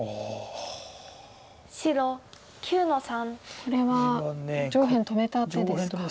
これは上辺止めた手ですか。